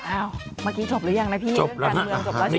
อ้าวเมื่อกี้จบแล้วยังนะพี่การเมืองจบแล้วใช่ไหม